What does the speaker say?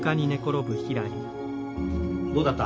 どうだった？